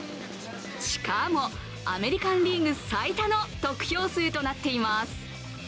しかもアメリカン・リーグ最多の得票数となっています。